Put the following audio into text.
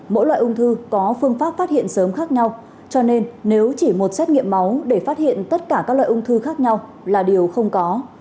mỗi loại ung thư có phương pháp phát hiện sớm khác nhau cho nên nếu chỉ một xét nghiệm máu để phát hiện tất cả các loại ung thư khác nhau là điều không có